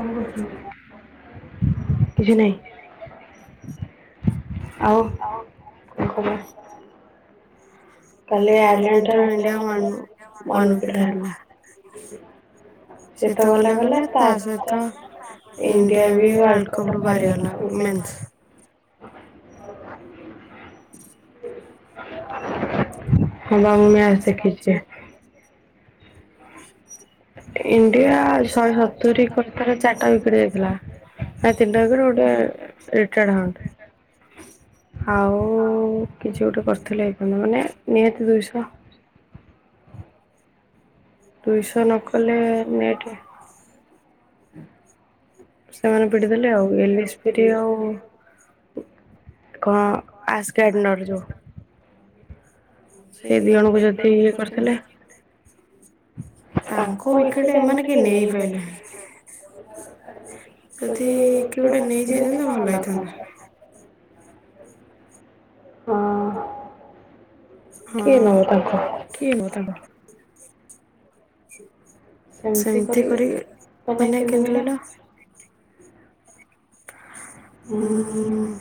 କଣ କରୁଛୁ? କିଛି ନାହିଁ। ଆଉ କଣ ଖବର? କାଲି ୟାରଲାଇନ ଠାରୁ ଇଣ୍ଡିଆ ୱାନ୍, ୱାନ୍ ୱିକେଟ୍ ରେ ହାରିଲା। ସେତ ଗଲା, ଗଲା ତା ସହିତ ଇଣ୍ଡିଆ ବି ୱାଲ୍କପ୍ ରୁ ବାହାରିଗଲା, ଓମେନ୍ସ। [unintelligible] [unintelligible] ହ ବା ମୁଁ ମ୍ୟାଚ ଦେଖିଛି। ଇଣ୍ଡିଆ ଶହେ ସତୁରି କରି, ତାର ଚାରିଟା ୱିକେଟ୍ ଯାଇଥିଲା। ଆଉ ତିନିଟା ୱିକେଟ୍ ଗୋଟେ ରିଟାଡ ହଣ୍ଟ ଆଉ କିଛି ଗୋଟେ କରିଥିଲେ ହେଇଥାନ୍ତା। ମାନେ ନିହାତି ଦୁଇଶହ। [inaudible] ଦୁଇସହ ନକଲେ ନେଟ୍। ସେମାନେ ପିଟି ଦେଲେ ଆଉ। ଏଲିଜପିଟିଓ ଆଉ। କ ଆସ୍କା ଇଗ୍ନୋର ଯୋଉ। ସେ ଦିଇ ଜଣଙ୍କୁ ଯଦି ଇଏ କରିଥିଲେ। ତାଙ୍କ ୱିକେଟ୍ ଏମାନେ କେହି ନେଇପାରିଲେନି। ଯଦି କିଏ ଗୋଟେ ନେଇଯାଇଥାନ୍ତା, ଭଲ ହେଇଥାନ୍ତା। ହଁ। କିଏ ନବ ତାକୁ? ସେମିତି କରି, ମାନେ କେମିତି କହିଲ ହୁଁ।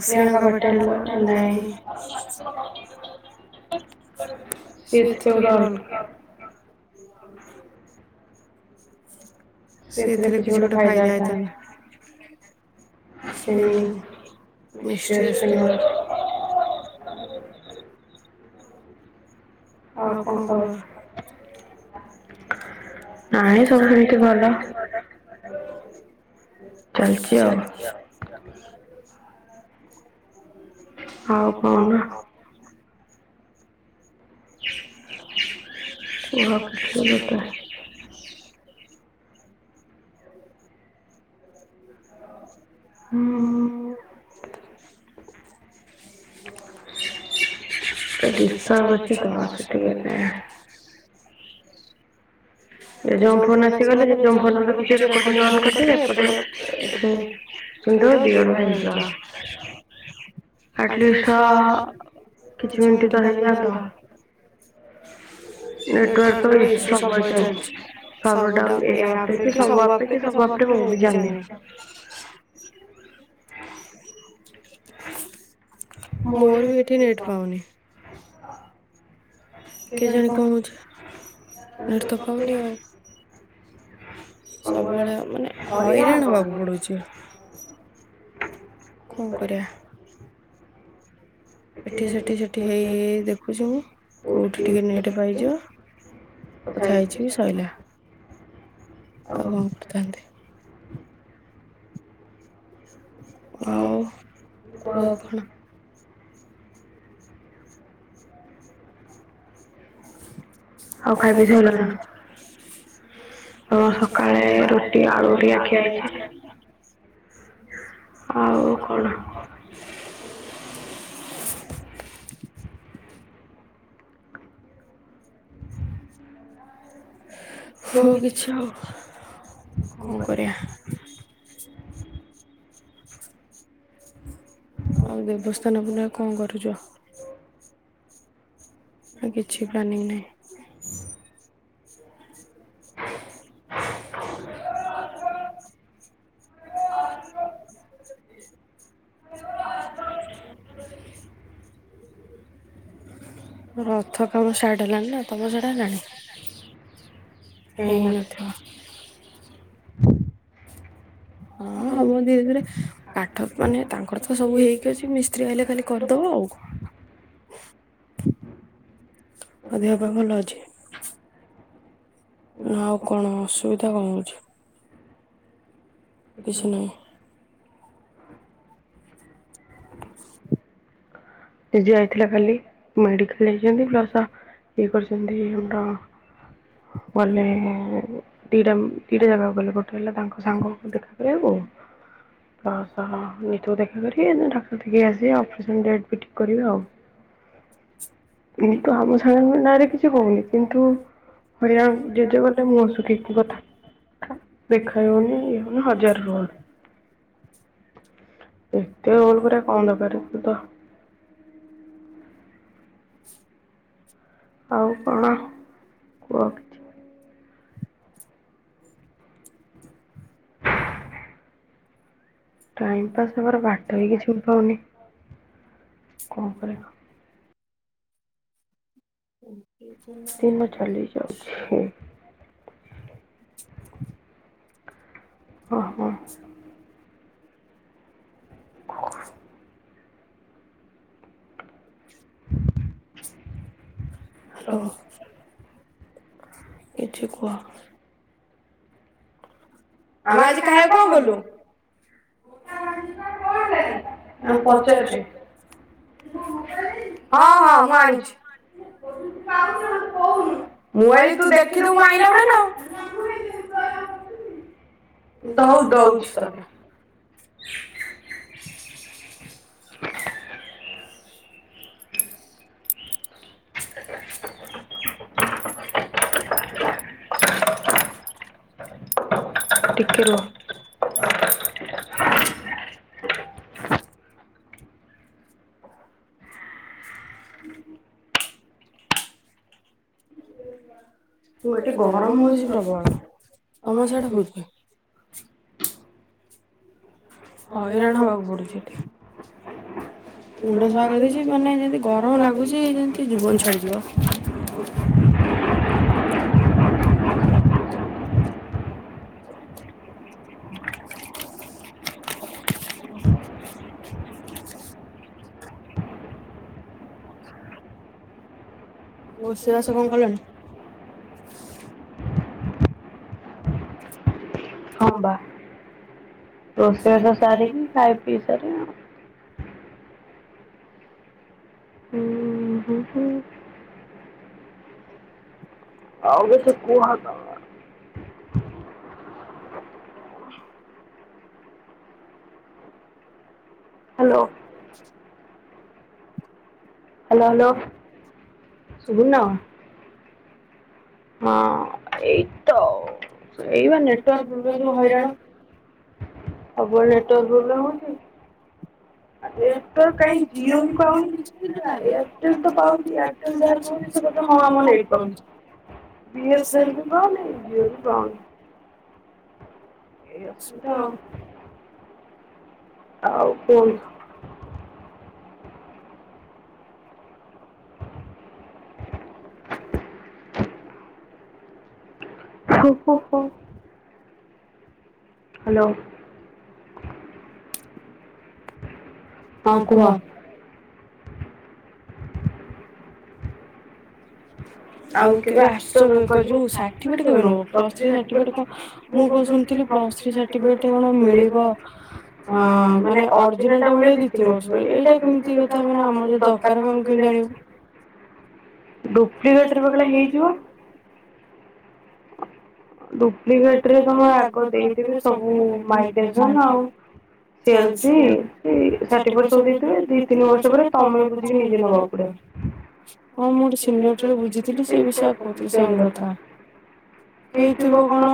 ଶ୍ରିୟଙ୍କା ବଟିବାଲା, ବଟିବାଲା ନାହିଁ। ସିଏ ଥିଲେ ଗୋଟେ ଅଲ [unintelligible] ସିଏ ଥିଲେ କିଛି ଗୋଟେ ଫାଇଦା ହେଇଥାନ୍ତା। Spinning mystery spinner. ହ [unintelligible] ଆଉ କଣ ଖବର? ନାଇ ସବୁ ସେମିତି ଭଲ। ଚାଲିଛି ଆଉ। ଆଉ କଣ? କୁହ କିଛି ଗୋଟେ। ହୁଁ, ହୁଁ। [inaudible] ତ ଡିଷଟ୍ରବ ଅଛି ତ ସେଥି ପାଇଁ। ଏ ଜଉ ଫୋନ ଆସିଗଲେ, ସେଯୋଉ ଫୋନ ରଖିଛି କିଛି ରେକଡିଙ୍ଗ ଅନ କରିଦେବି, ଏପଟେ କିଣିଦବ ଦିଆଡୁଆ ହେଇଯିବ। ଆଟଲିଷ୍ଟ ତ କିଛି ମିନିଟ ତ ହେଇଯାନ୍ତା। ନେଟୱାର୍କ ତ ଇସୁ ସବୁବେଳେ ଚାଲିଛି। ସରଭରଡାଉନ ଏଇ ଆପରେ କି ସବୁ ଆପ ରେ କି ସବୁ ଆପରେ ମୁଁ ବି ଜାଣିନି। ମୋର ବି ଏଠି ନେଟ ପାଉନି। କେଜାଣି କଣ ହଉଛି ନେଟ ତ ପାଉନି ଆଉ। ସବୁବେଳେ ମାନେ ହଇରାଣ ହବାକୁ ପଡୁଛି। କଣ କରିବା? ଏଠି ସେଠି ସେଠି ହେଇ ହେଇ ଦେଖୁଛି ମୁଁ କୋଉଠି ଟିକେ ନେଟ ପାଇଯିବ। କଥା ହେଇଯିବି ସଇଲା। ଆଉ କଣ କରିଥାନ୍ତି? ଆଉ କୁହ କଣ? ଆଉ ଖାଇ ପିଈ ସାରିଲାଣି? ଆଉ ସକାଳେ ରୁଟି ଆଳୁ ଘରିକା ଖିଆ ହେଇଛି। ଆଉ କଣ? [unintelligible] ହଉ କିଛି ଆଉ କଣ କରିବା? ହୁଁ ଆଉ ଦେବସ୍ନାନ ପୁର୍ଣିମା କଣ କରୁଛ? ନା କିଛି ପ୍ଲାନିଙ୍ଗ ନାହିଁ। [unintelligible] [unintelligible] ରଥ କାମ ଷ୍ଟାର୍ଟ ହେଲାଣି ନା ତମର ସିଆଡେ ହେଲାଣି? ହେଇ ନଥିବ। ହଁ ହବ ଧୀରେ ଧୀରେ କାଠ ମାନେ ତାଙ୍କର ତ ସବୁ ହେଇକି ଅଛି ମିସ୍ତ୍ରୀ ଆଇଲେ ଖାଲି କରିଦବ ଆଉ କଣ? ଆଉ ଦେହ ପାହା ଭଲ ଅଛି? ନା ଆଉ କଣ ଅସୁବିଧା କଣ ହଉଛି? କିଛି ନାହିଁ। [unintelligible] ଡେଜି ଯାଇଥିଲା କାଲି ମେଡିକାଲ ଯାଇଛନ୍ତି ପ୍ଲସ। ଇଏ କରିଛନ୍ତି ହେଉଁଟା। ଗଲେ ଦିଟା ଉଁ ଦିଟା ଜାଗାକୁ ଗଲେ ଗୋଟେ ହେଲା ତାଙ୍କ ସାଙ୍ଗଙ୍କୁ ଦେଖା କରିବାକୁ। ପ୍ଲସ ନିତୁକୁ ଦେଖା କରିଲେ ଏମାନେ ଡାକ୍ତର ଦେଖେଇକି ଆସିବେ ଅପେରସନ ଡେଟ୍ ବି ଠିକ କରିବେ ଆଉ। ଏଇ ତ ଆମ ସାଙ୍ଗ ନାଇରେ କିଛି ହଉନି କିନ୍ତୁ। ହଇରାଣ ଜେଜେ ଗୋଟେ ମୁଁହ ଶୁଖେଇକି କଥା। ଦେଖା ଯାଉନି ପୁଣି ହଜାର ଟଙ୍କା। ଏତେ ରୋଲ୍ କରିବା କଣ ଦରକାର ତୁ ତ। [unintelligible] ଆଉ କଣ କୁହ କିଛି? ଟାଇମ୍ ପାସ୍ ହେବାର ବାଟ ବି କିଛି ମୁଁ ପାଉନି କଣ କରିବୁ? ହୁଁ ଦିନ ଚାଲି ଯାଉଛି। ଅ ହଁ। ହାଲୋ କିଛି କୁହ? ମାମା ଆଜି ଖାଇବାକୁ କଣ କଲୁ? ନାଇ ପଚାରୁଛି। ହଁ ହଁ ମୁଁ ଆଣିଛି। ମୁଁ ଭାବିଲି ତୁ ଦେଖିଥିବୁ ମୁଁ ଆଣିଲା ବେଳେ ନା ଆଉ। ଦଉ ଦଉଛି ତତେ। [unintelligible] [inaudible] ଟିକେ ରୁହ। [inaudible] ମୁଁ ଏଠି ଗରମ ହଉଛି ପ୍ରବଳ। ତମ ସିଆଡେ ହଉଛି। [unintelligible] ହଇରାଣ ହବାକୁ ପଡୁଛି ଏଠି। ମୁଣ୍ଡ ସଫା କରିଦେଇଛି ମାନେ ଯେମିତି ଗରମ ଲାଗୁଛି ଯେମିତି ଜୀବନ ଛାଡିଯିବ। [inaudible] ରୋଷେଇ ବାସ କଣ କଲଣି। ହଁ ବା। ରୋଷେଇ ବାସ ସାରିକି ଖାଇ ପି ସାରି ଆଉ ଆଉ କିଛି କୁହ ତମେ। ହ୍ୟାଲୋ। ହ୍ୟାଲୋ ହ୍ୟାଲୋ, ଶୁଭୁନି ନା କଣ? ଏଇ ତ ଏଇ ବା ନେଟୱର୍କ ପ୍ରୋବ୍ଲେମ୍ ଯୋଗୁ ହଇରାଣ। ସବୁବେଳେ ନେଟୱର୍କ ପ୍ରୋବ୍ଲେମ ହଉଚି। ନେଟୱର୍କ କାଇଁ ଜିଓ କୁ ପାଉନି ହେଲା। ଏୟାରଟେଲ ତ ପାଉଛି ଏୟାରଟେଲ ଯାହା। [unintelligible] ହଁ ଆମ ନେଟୱର୍କ ବିଏସେନେଲ୍ ବି ପାଉନି ଜିଓ ବି ପାଉନି। ଏଇ ଅସୁବିଧା ଆଉ। ଆଉ କୁହନ୍ତୁ। ହୋ ହୋ ହୋ। ହାଲୋ। ହଁ କୁହ। [inaudible] ଆଉ କେବେ ଆସୁଚ? ଯୋଉ ସାର୍ଟିଫିକେଟ କେବେ ନବ? ପ୍ଲସ ଥ୍ରି ସାର୍ଟିଫିକେଟ୍ ମୁଁ କଣ ଶୁଣିଥିଲି ପ୍ଳ ପ୍ଲସ ଥ୍ରି ସର୍ଟିଫିକେଟ କଣ ମିଳିବ ଅ ମାନେ ଅର୍ଜୁନ ଟା ଭଳିଆ ଦି ତିନି ବର୍ଷ ଭଳିଆ ଏଇଟା କେମିତି କଥା ମାନେ ଆମର ଯୋଉ ଦରକାର। [unintelligible] [unintelligible] ଡୁପ୍ଲିକେଟ ରେ ପକେଇଲେ ହେଇଯିବ। ଡୁପ୍ଲିକେଟ ରେ ତମ ଆଗ ଦେଇଦେବେ ସବୁ ମାରିକି ଆସିବ ନା। ସେଲଶି ଷାଠିଏ ବର୍ଷ [unintelligible] ତିନି ବର୍ଷ ପରେ ତମେ ବୁଝିକି ନିଜେ ନବାକୁ ପଡିବ। ହଁ ମୁଁ ଗୋଟେ ସିନିୟର ଠାରୁ ବୁଝିଥିଲି ସେ ବିଷୟ କହୁଥିଲେ ସେମ କଥା। ଥିବ କଣ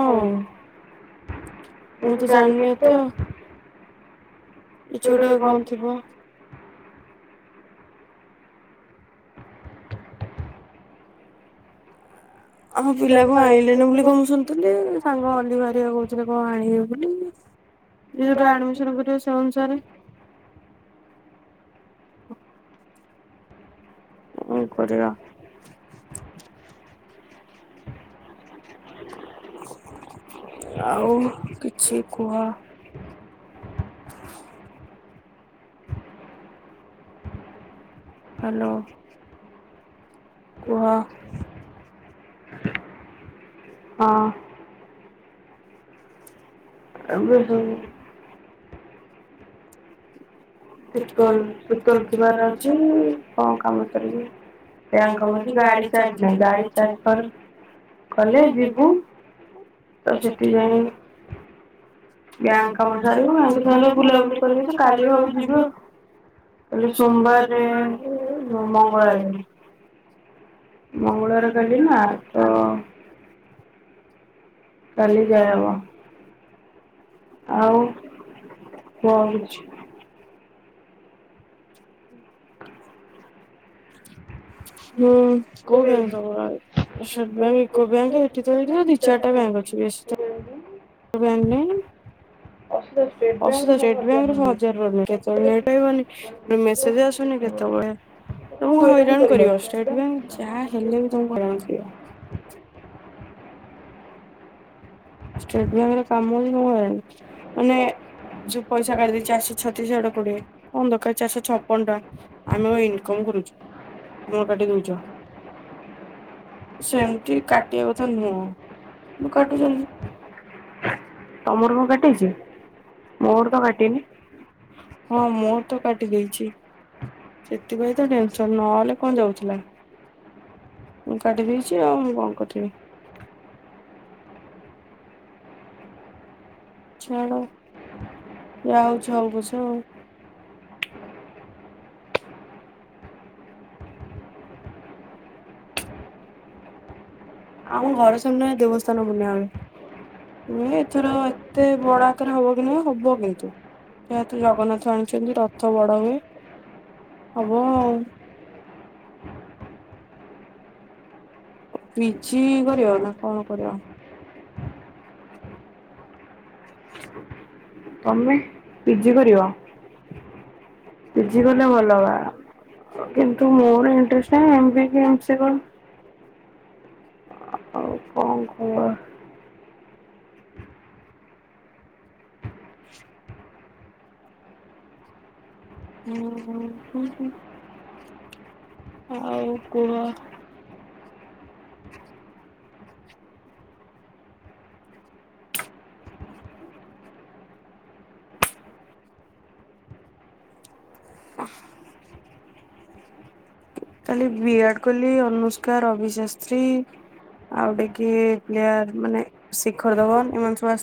ମୁଁ ତ ଜାନଣି ଏତେ। କିଛି ଗୋଟେ କଣ ଥିବ। ଆମ ପିଲା କୁ ଆଣିଲେନି ବୋଲି କଣ ମୁଁ ଶୁଣିଥିଲି। ସାଙ୍ଗ ଅଲିଭା ହେରିକା କହୁଥିଲେ କଣ ଆଣିବେ ବୋଲି। ଯିଏ ଯୋଉଟା ଆଡମିସନ କରିବ ସେ ଅନୁସାରେ। କଣ କରିବା। ହାଲୋ। ହଁ। [unintelligible] [inaudible] [unintelligible] ର ଅଛି କଣ କାମ ପଡ଼ିବ। [unintelligible] ଗାଡ଼ି ଚାର୍ଜ ନାଇ ଗାଡ଼ି ଚାର୍ଜ କରି ଗଲେ ଯିବୁ ତ ସେଠି ଯାଇ ବ୍ୟାଙ୍କ କାମ ସାରିବୁ [unintelligible] ବୁଲାବୁଲି କରିବୁ କାଲି ଭାବୁଚୁ ଯି ସୋମବାରରେ ମଙ୍ଗଳବାରେ ମଙ୍ଗଳବାର କଲି ନା ତ କାଲି ଯାଇ ହବ। ଆଉ କହୁଛି। ହୁଁ କୋଉ ବ୍ୟାଙ୍କ ତମ ଗାଁ ରେ? ସେ ବ୍ୟାଙ୍କ ୟୁକୋ ବ୍ୟାଙ୍କ ଏଠି ତ ଏ ଦି ଚାରିଟା ବ୍ୟାଙ୍କ ଅଛି ବେଶି ବ୍ୟାଙ୍କ ନାହିଁ। ଅସୁବିଧା ହୋଉଚି ଷ୍ଟେଟ ବ୍ୟାଙ୍କରେ [unintelligible] ହଜାରେ ପ୍ରୋବ୍ଲେମ କେତେବେଳେ ନେଟ୍ ପାଉନି ମେସେଜ ଆସୁନି କେତେବେଳେ [unintelligible] ତମକୁ ହଇରାଣ କରିବ। ଷ୍ଟେଟବ୍ୟାଙ୍କ ଯାହା ହେଲେ ବି ତମକୁ ହଇରାଣ କରିବ। ଷ୍ଟେଟବ୍ୟାଙ୍କରେ କାମ ହିଁ [unintelligible] ମାନେ ଯୋଉ ପଇସା କାଢ଼ିଦେଇ ଚାରଶହ ଛତିଶ ଆଡୁ କୋଡିଏ କଣ ଦରକାର ଚାରିଶହ ଛପନ ଟଙ୍କା ଆମର ଇନ୍ କମ କରୁଚି। ଆମର କାଟି ଦୋଉଚ। ସେମିତି କାଟିବା କଥା ନୁହେଁ, କିନ୍ତୁ କାଟୁଚନ୍ତି। ତମର କଣ କାଟିଚି? ମୋର ତ କାଟିନି। ହଁ ମୋର ତ କାଟି ଦେଇଚି। ସେଥିପାଇଁ ତ ଟେନସନ ନହେଲେ କଣ ଯାଉଥିଲା। ମୋର କାଟି ଦେଇଚି। ଆଉ ମୁଁ କଣ କରିିବି। ଛାଡ ଯାହା ହୋଉଚି ହୋଉ ପଛେ ଆଉ। ଆମ ଘର ସାମ୍ନାରେ ଦେବସ୍ନାନ ପୂର୍ଣ୍ଣିମା ହୁଏ। ହୁଏ ଏଥର ଏତେ ବଡ ଆକାରରେ ହବ କି ନାହିଁ ହବ କିନ୍ତୁ। ଯେହେତୁ ଜଗନ୍ନାଥ ଆଣିଚନ୍ତି ରଥ ବଡ ହୁଏ। ହବ ଆଉ। [inaudible] ପିଜି କରିବ ନା କଣ କରିବ? ତମେ ପିଜି କରିବ? ପିଜି କଲେ ଭଲ ବା। କିନ୍ତୁ ମୋର ଇଣ୍ଟେରେଷ୍ଟ ନାହିଁ ଏମିତି [unintelligible] ଆଉ କଣ କରିବା। ହୁଁ ହୁଁ ହୁଁ ଉଁ। ଆଉ କୁହ। [inaudible] [inaudible] କାଲି ବିରାଟ କୋହଲି, ଅନୁଷ୍କା, ରବିଶାସ୍ତ୍ରୀ ଆଉ ଗୋଟେ କିଏ ପ୍ୟାର ମାନେ ଶିଖର ଧବନ ଏମାନେ ସବୁ ଆସି